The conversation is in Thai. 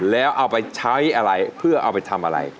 แล้วเอาไปใช้อะไรเพื่อเอาไปทำอะไร